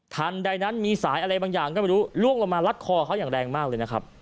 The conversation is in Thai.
ทันใดนั้นมีสายอะไรบางอย่างก็ไม่รู้ล่วงลงมารัดคอเขาอย่างแรงมากเลยนะครับ